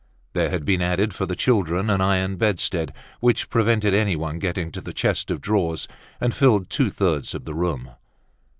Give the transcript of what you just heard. There had been added, for the children, an iron bedstead, which prevented any one getting to the chest of drawers, and filled two thirds of the room.